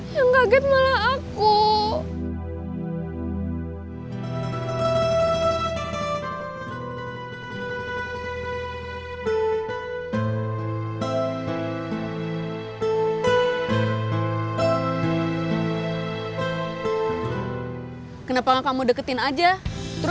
yang kaget malah aku